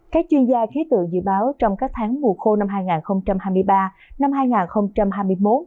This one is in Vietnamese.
các chuyên gia khí tượng dự báo trong các tháng mùa khô năm hai nghìn hai mươi ba năm hai nghìn hai mươi một